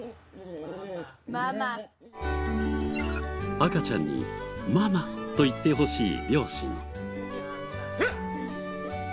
赤ちゃんに「ママ」と言ってほしい両親。